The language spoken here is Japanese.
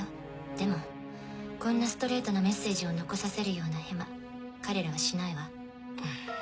でもこんなストレートなメッセージを残させるようなヘマ彼らはしないわ。